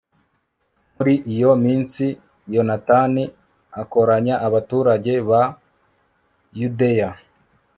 muri iyo minsi, yonatani akoranya abaturage ba yudeya